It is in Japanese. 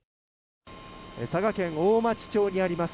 佐賀県大町町にあります